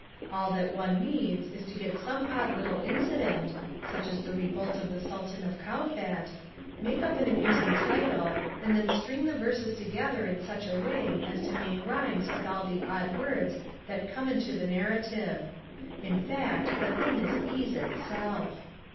All that one needs is to get some odd little incident, such as the revolt of the Sultan of Kowfat, make up an amusing title, and then string the verses together in such a way as to make rhymes with all the odd words that come into the narrative. In fact, the thing is ease itself.